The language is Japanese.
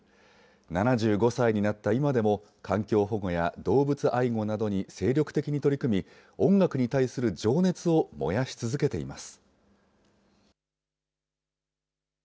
７５歳になった今でも、環境保護や動物愛護などに精力的に取り組み、音楽に対する情熱を燃やし続けています。